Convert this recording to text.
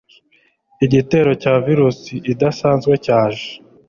Igitero cya virusi idasanzwe cyaje